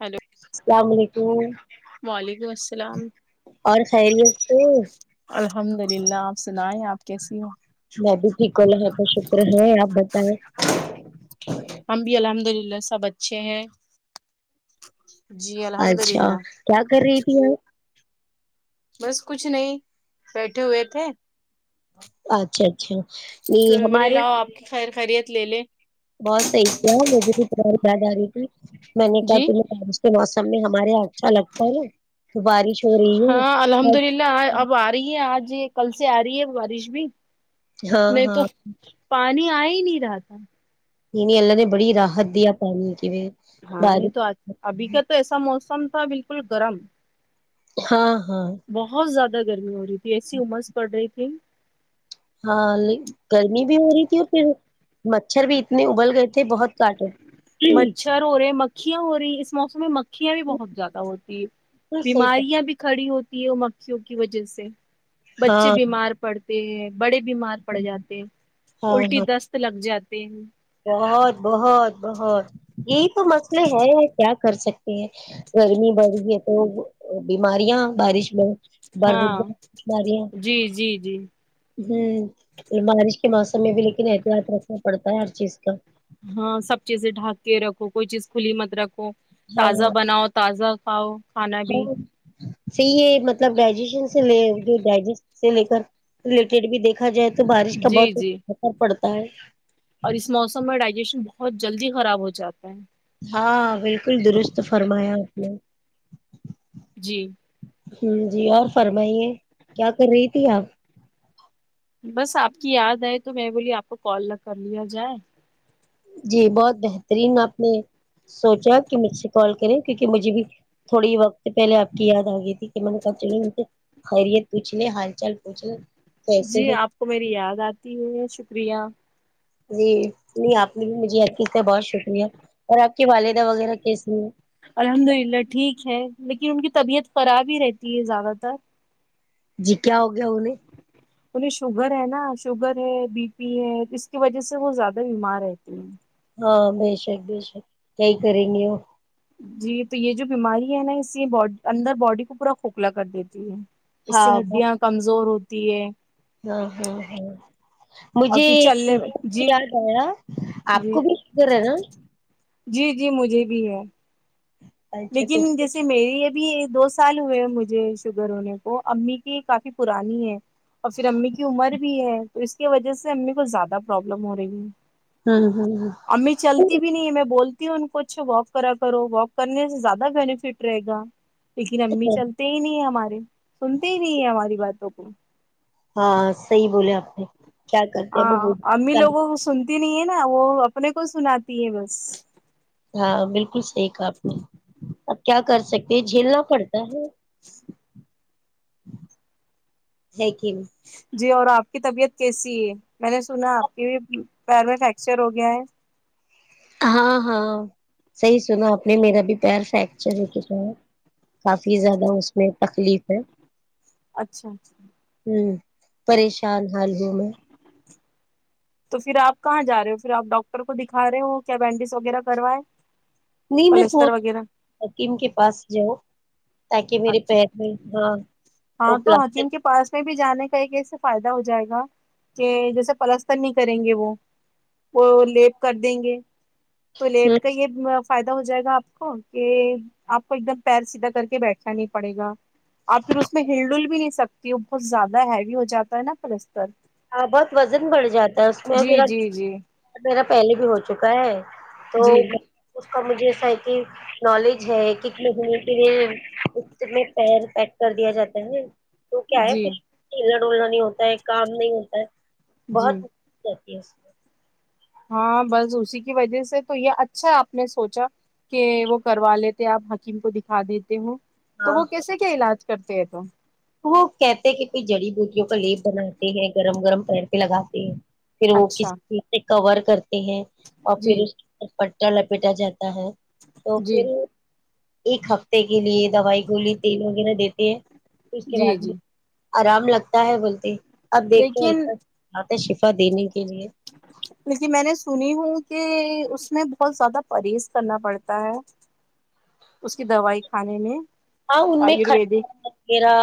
hello السلام علیکم [inaudible] وعلیکم السلام اور خیریت سے الحمد للہ آپ سنائیں آپ کیسی ہو میں بھی ٹھیک اللہ کا شکر ہے آپ بتائیں ہم بھی الحمد للہ سب اچھے ہے اچھا للہ کیا کر رہی تھی اپ بس کچھ نہیں بیٹھے ہوئے تھے اچھا اچھا تو نہیں میں بولی ہمارے لاؤ اپ کی خیر خیریت لے لے بہت سہی کیا مجھے بھی تمہاری یاد ارہی تھی میں نے کہا جی تمہیں بارش کے موسم میں ہمارے ہاتھ اچھا لگتا ہے نا بارش ہو رہی ہے لا اب ا رہی ہے اج یہ کل سے ا رہی ہے بارش بھی ہاں نہیں تو ہاں پانی ا ہی نہیں رہا تھا نہیں نہیں اللہ نے بڑی رات دیا پانی کے لیے ہاں نہیں تو اج ابھی کا تو ایسا موسم تھا بالکل گرم ہاں ہاں بہت زیادہ گرمی ہو رہی تھی ایسی امس پڑ رہی تھی ہاں لیک گرمی بھی ہو رہی تھی اور پھر مچھر بھی اتنے ابل گئے تھے بہت کاٹے مچھر ہو رہے ہے مکھیاں ہو رہی ہیں اس موسم میں مکھ کھیاں بھی بہت بالکل زیادہ ہوتی ہے صحیح بیماریاں بھی کھڑی ہوتی ہے وہ مکھیوں کی وجہ سے بچے ہاں بیمار پڑتے ہیں بڑے بیمار پڑ جاتے ہیں ہاں الٹی ہاں دست لگ جاتے ہیں بہت بہت بہت یہی تو مسئلے ہے یا کیا کر سک تے گرمی بڑ رہی ہے تو بیماریاں بارش میں ہاں بارودہ جی جی جی ہم بارش کے موسم میں بھی لیکن احتیاط رکھنا پڑتا ہے ہر چیز کا ہاں سب چیزیں ڈھانک کے رکھو کوئی چیز کھلی مت رکھو ہاں تازہ بناؤ تازہ کھاؤ کھانا بھی صحیح ہے یہ مطلب ڈائجیشن سے لے جو ڈائجیس سے لے کر لٹ ٹیڈ بھی دیکھا جائے تو بارش کا جی بہت جی اثر پڑتا ہے اور اس موسم میں ڈائجیشن بہت جلدی خراب ہو جاتا ہے ہاں بالکل درست فرمایا آپ نے جی ہم جی اور فرمائیے کیا کر رہی تھی آپ بس آپ کی یاد ائے تو میں بولی آپ کو کال نہ کر لیا جائے جی بہت بہترین آپ نے سوچا کہ مجھ سے کال کریں کیونکہ مجھے بھی تھوڑی وقت پہلے آپ کی یاد ا گئی تھی کہ میں نے کہ چلی ان کل خیریت پوچھ نہ حال چال پوچھ نہ جی آپ کو میری یاد اتی ہے شکریہ جی نہیں آپ نے بھی مجھے عی سے بہت شکریہ اور آپ کی والدہ وغیرہ کیسی ہیں الحمد للہ ٹھیک ہے لیکن ان کی طبیعت خراب ہی رہتی ہے زیادہ تر جی کیا ہو گیا انہیں انہیں شوگر ہے نا شوگر ہے بی پی ہے اس کی وجہ سے وہ زیادہ بیمار رہتے ہیں ہاں بے شک بے شک یہئی کریں گے وہ جی تو یہ جو بیماری ہے نا اسے اندر باڈی کو پورا کھوکھلا کر دیتی ہے اس ہاں سے ہڈیاں کمزور ہوتی ہے ہاں ہاں اور مجھے پھر چلنے میں، جی یاد آیا آپ کو جی بھی فکر ہے نا جی جی مجھے بھی ہے اچھا تو لیکن جیسے میری ابھی دو سال ہوئے ہیں مجھے شوگر ہونے کو امی کی کافی پرانی ہے اور پھر امی کی عمر بھی ہے تو اس کی وجہ سے امی کو زیادہ پرابلم ہو رہی ہے ہوں ہوں ہ امی چلتی بھی نہیں ہے میں بولتی ہوں ان کو اچھ واک کرا کرو واک کرنے زیادہ بینفٹ رہے گا لیکن امی چلتے تے ہی نہیں ہے ہمارے سنتے ہی نہیں ہیں ہماری باتوں کو ہاں صحیح بولے آپ نے کیا کرتے ہیں وہ ہاں امی لوگوں کو سنتی نہیں ہے نا وہ اپنے کو سناتی ہیں بس ہاں بالکل صحیح کہا آپ نے اب کیا کر سکتے یہ جھیلنا پڑتا ہے ہے کہ جی اور آپ کی طبیعت کیسی ہے میں نے سنا آپ کی پیر میں فریکچر ہو گیا ہے ہاں ہاں صحیح سنا آپ نے میرا بھی پیر فریکچر ہو کے تو ہے کافی زیادہ اس میں تکلیف ہے اچھا اچھا ہوں پریشان حال ہوں میں تو پھر آپ کہاں جا رہے ہو پھر آپ ڈاکٹر کو دکھا رہے ہو کیا بینڈیج وغیرہ کروائے نہیں میں پلستر سوچ وغیرہ حکیم کے پاس جاؤ تاکہ میری اچھا پیر کی ہاں وہ پلاسٹک اس میں بھی جانے کا ایک اس سے فائدہ ہو جائے گا کہ جیسے پلستر نہیں کریں گے وہ وہ لیپ کر دیں گے تو لیب کا یہ فائدہ ہو جائے گا آپ کو کہ آپ کو ایک دم پیر سیدھا کر کے بیٹھ نہیں پڑے گا آپ پھر اس میں ہلڈل بھی نہیں سکتے کے وہ بہت زیادہ ہیوی ہو جاتا ہے نا پلستر ہاں بہت وزن بڑھ جاتا ہے اس میں جی میرا جی جی میرا پہلے بھی ہو چکا ہے تو جی اس کا مجھے ایسا ہے کہ نالج ہے کتنےدنوں کے لئے پیر پیک کر دیا جاتا ہے تو کیا ہے جی پھر ہلنا ڈلنا نہیں ہوتا ہے کام نہیں ہوتا ہے جی بہت [unintelligible] ہاں بس اسی کی وجہ سے تو یہ اچھا آپ نے سوچا کہ وہ کروا لیتے آپ حکیم کو دکھا دیتے ہو تو ہاں وہ ہاں کیسے کے علاج کرتے ہیں تو وہ کہتے ہیں کوئی جڑی بوٹیوں کا لیپ بناتے ہیں گرم گرم پیر پے لگاتے ہیں پھر وہ کسی اچھا چیز سے کور کرتے ہیں اور جی پھر اس پٹا لپیٹا جاتا ہے تو جی پھر ایک ہفتے کے لیے دوائی گولی تیل وغیرہ دیتے ہیں پھر اس کے جی بعد جی میں آرام لگتا ہے بولتے اب دیکھیں لیکن ہلک ہاتھ میں شفا دینے کے لیے لیکن میں نے سنی ہوں کہ اس میں بہت زیادہ پرہیز کرنا پڑتا ہے اس کی دوائی کھانے میں ہاں ان میں کھٹا آیورویدک وغیرہ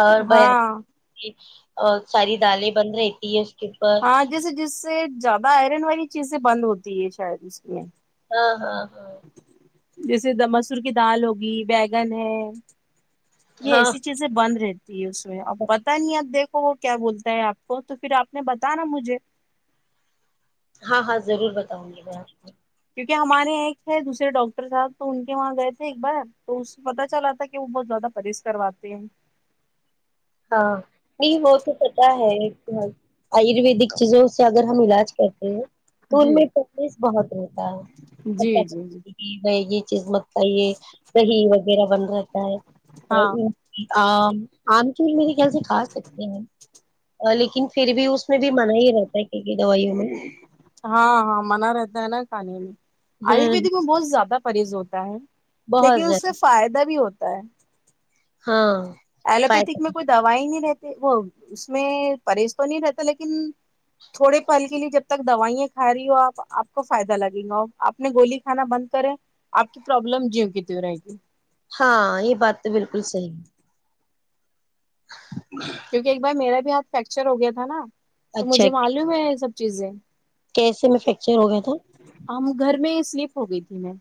اور بی ہاں گن اور ساری دالیں بند رہتی ہے کے اوپر ہاں جسے جس سے زیادہ آئرن والی چیزیں بند ہوتی ہے شاید اس میں ہاں ہاں ہاں جیسے مسور کی دال ہوگی بیگن ہے یہ ہاں ایسی چیزیں بند رہتی ہے اس میں اب ہاں پتہ نہیں آپ دیکھ و وہ کیا بولتا ہے آپ کو تو پھر آپ نے بتا نا مجھے ہاں ہاں ضرور بتاؤں گی میں آپ کو کیوںکہ ہمارے یہاں تھے دوسرے ڈاکٹر صاحب تو ان کے وہاں گئے تھے ایک بار تو اس سے پتا چلا رہا تھا کہ وہ بہت زیادہ پرہز کرواتے ہیں ہاں نہیں وہ تو پتا ہے کے آیورویدک چیزوں سے اگر ہم علاج کرتے ہیں تو ان جی میں سٹریس بہت رہتا ہے جی کھٹا جی جی پن ہے یہ چیز مت کھائیے دہی وغیرہ بند رہتا ہاں ہے آم آم کی املی میرے خیال سے کھا سکتے ہیں ا لیکن پھر بھی اس میں بھی منع ہی رہتا ہے ایک ایک دوائیوں میں ہاں ہاں منع رہتا ہے نا کھانے میں ہوں آیورویدک میں بہت زیادہ پرہز ہوتا ہے لیکن بہت اس سے زیادہ فائدہ بھی ہوتا ہے ہاں فائدہ الاپھیتک میں کوئی دوائی نہیں رہتے وہ اس میں پرہیز تو نہیں رہتا لیکن تھوڑے پل کے لیے جب تک دوائیں کھا رہی ہو آپ آپ کو فائدہ لگے گا اور آپ نے گولی کھانا بند کریں آپ کی پربلم جیوں کی تیوں رہے گئی ہاں یہ بات تو بالکل صحیح ہے کیونکہ ایک بار میرا بھی ہاتھ فریکچر ہو گیا تھا نا تو اچھا مجھے معلوم ہے یہ سب چیزیں کیسے میں فریکچر ہو گیا تھا ہم گھر میں سلپ ہو گئی تھی میں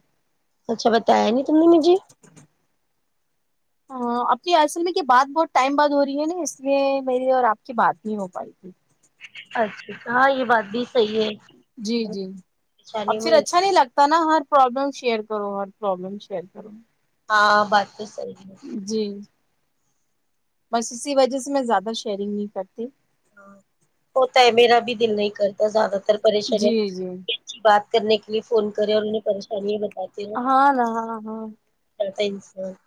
اچھا بتایا نہیں تم نے مجھے [inaudible] ہ اپنی اصل میں کہ بات بہت ٹائم بعد ہو رہی ہے نا اس لیے میری اور آپ کی بات نہیں ہو پائی تھی اچا ہاں یہ بات بھی صحیح ہے جی جی اب پریشانی پھر میں اچھا نہیں لگ تا نا ہر پربلم شیئر کرو ہر پربلم شیئر کرو ہاں بات تو صحیح ہے جی بس اسی وجہ سے میں زیادہ شیئرنگ نہیں کرتی ہاں ہوتا ہے میرا بھی دل نہیں کرتا زیادہ تر پریشانی جی جی بات کرنے کے لیے فون کرے اور انہیں پریشانی بتاۓ ہاں نا ہاں [unintelligible]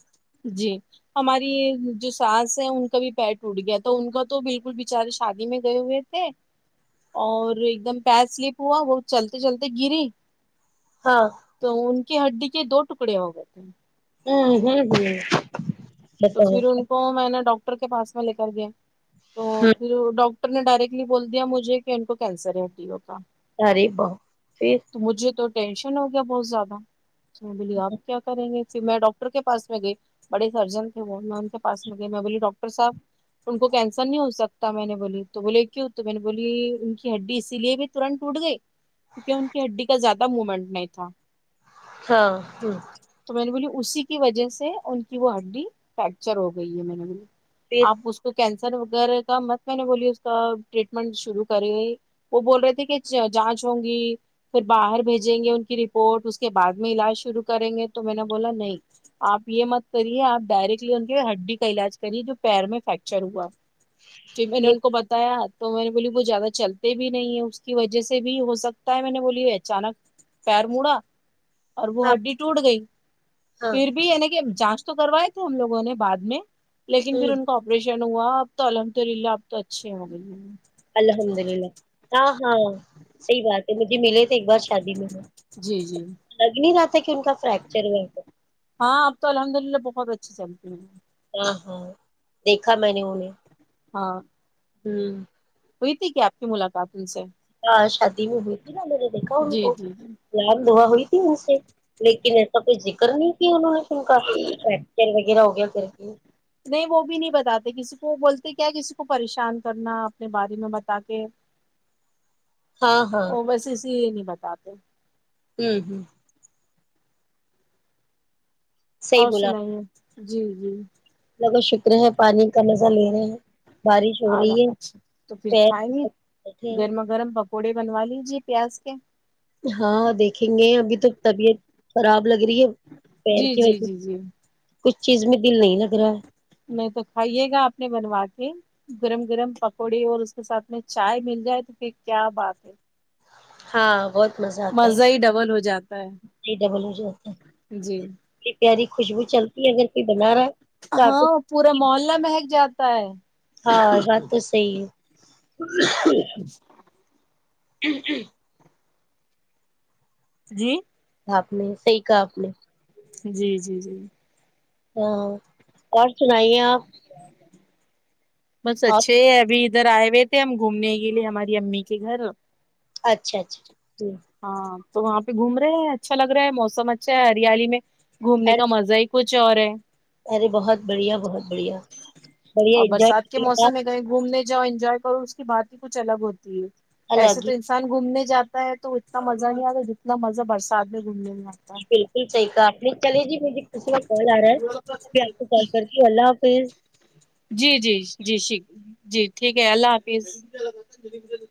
جی ہماری جو ساس ہے ان کا بھی پیر ٹوٹ گیا تو ان کا تو بالکل بچارے شادی میں گئے ہوئے تھے اور ایک دم پیر سلپ ہوا وہ چلتے چلتے گری ہاں تو ان کی ہڈی کے دو ٹکڑے ہو گئے تھے ہاں ہاں [inaudible] بل تو پھر ان کو میں نے ڈاکٹر کے پاس میں لے کر گیا تو پھر ڈاک کر نے ڈائریکٹلی بول دیے مجھے کہ ان کو کینسر ہے ہڈیو ہوگا ارے باپ پھر مجھے تو ٹینشن ہو گیا بہت زیادہ تو میں بولیے آب کیا کریں گے پھر میں ڈاک ڈٹر کے پاس میں گئی بڑے سرجن تھے وہ میں ان کے پس میں گئی میں بولی ڈاکٹر صاحب ان کو کینسر نہیں ہو سکتا میں نے بولی تو بول کیوں تو میں نے بولی ان کی ہڈی اسی لیے بھی ٹورانت ٹوٹ گئی کیونکہ ان کی ہڈی کا زیاد تب موومنٹ نہیں تھا ہاں ہ تو میں نے بولی اسی کی وجہ سے ان کی وہ ہڈی فریکچر ہو گئی ہے میں نے بولی پھر آپ اس کو کینسر وغیرہ کا مت میں نے بولی اس کا ٹریٹمنٹ شروع کرے وہ بول رہے تھے کہ جانچ ہوں گی پھر باہر بھیجیں گے ان کی رپورٹ اس کے بعد میں علاج شروع کریں گے تو میں نے بولا نہیں آپ یہ مت کریے آپ ڈائریکٹلی ان کے ہڈی کا علاج کریے جو پیر میں فریکچر ہوا جی میں نے ان کو بتایا تو میں نے بولی وہ زیادہ چلتے بھی نہیں ہے اس کی وجہ سے بھی ہو سکت تا ہے میں نے بولی ہے اچانک پیر مڑا اور وہ ہاں ہڈی ٹوٹ گئی ہاں پھر بھی انا کہ جانچ تو کروائے تھے ہم لوگوں نے بعد میں لیکن پھر ہوں ان آپریشن ہوا اب تو الحمد للہ اب تو اچھے ہو گئی الحمد للہ نا ہاں صحیح بات ہے مجھے ملے تھے ایک بار شادی میں جی جی لگ نہیں رہا تھا کہ ان کا فریکچر ہوا تھا ہاں اب تو الحمد للہ بہت اچھی چلتی ہیں ہاں ہاں دیکھا میں نے انہیں ہاں ہوں ہوئی تھی کہ آپ کی ملاقات ان سے ہاں شادی میں ہوئی تھی نا میں نے دیکھا ان جی کو جی جی سلام دعا ہوئی تھی ان سے لیکن ایسا کوئی ذکر نہیں کیا انہوں نے کیوں کا فیکچر وغیرہ ہو گیا کر کے نہیں وہ بھی نہیں بتاتے کسی کو بولتے کیا کسی کو پریشان کرنا اپنے بارے میں بتا کے ہاں ہاں ا بس اسے یہ نہیں بتاتا ہ ہوں صحیح اور بولا سنائیے جی جی اللہ کا شکر ہے پانی کا مزہ لے رہے ہیں بارش ہو رہی ہے اچھا تو پھر پیر کھائیں گے بیٹھے گرما ہیں گرم پکوڑے بنوا لیجیے پیاز کے ہاں دیکھیں گے ابھی تو طبیعت خراب لگ رہی ہے پیر جی کی جی وجہ جی جی کچھ چیز میں دل نہیں لگ رہا ہے میں تو کھائیے گا اپنے بنوا کے گرم گرم پکوڑے اور اس کے ساتھ میں چائے مل جائے تو پھر کیا بات ہے ہاں بہت مزا ہی ڈبل ہو جائے یہ ڈبل ہو جاتتے جی اتنی پیاری خوشبو چلتی ہے اگر کوئی بنا رہا تو آپ کو ہاں پورا محلہ مہک جاتا ہے ہاں بات تو صحیح ہے جی آپ نے صحیح کہا آپ نے جی جی جی ہاں اور سنائیے آپ بس آپ اچھے ابھی ادھر آئے ہوئے تھے ہم گھومنے کے لیے ہماری امی کے گھر اچھا اچھا جی ہاں تو وہاں پہ گھوم رہے ہیں اچھا لگ رہا ہے موسم اچھا ہے ہریالی میں گھومنے ارے کا مزہ ہی کچھ اور ہے ارے بہت بڑھیا بہت بڑھیا بڑھیا انجوائے کر رہے آپ کہ گھومنے جاؤ انجوائے کرو اس کی بات ہی کچھ الگ ہوتی ہے ایسے الگ ہی تو انسان گھومنے جاتا ہے تو اتنا مزہ نہیں آتا جتنا مزہ برسات میں گھومنے نہیں آتا بالکل صحیح کہا آپ نے چلیے جی مجھے کسی میں کال آ رہا ہے میں بھی آپ کو کال کرتی ہوں اللہ حافظ جی جی جی ش جی ٹھیک ہے اللہ حافظ